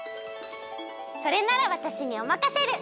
それならわたしにおまかシェル！